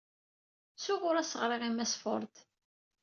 Ttuɣ ur as-ɣriɣ i Mass Ford.